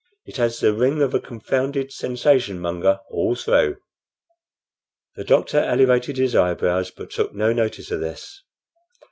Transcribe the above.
It has the ring of a confounded sensation monger all through." The doctor elevated his eyebrows, but took no notice of this.